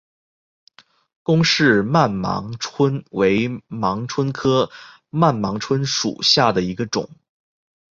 龚氏曼盲蝽为盲蝽科曼盲蝽属下的一个种。